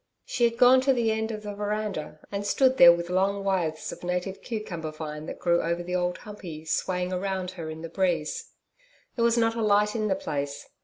She had gone to the end of the veranda and stood there with long withes of the native cucumber vine that grew over the Old Humpey swaying around her in the breeze. There was not a light in the place.